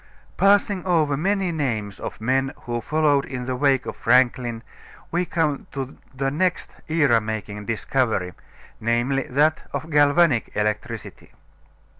Passing over many names of men who followed in the wake of Franklin we come to the next era making discovery, namely, that of galvanic electricity.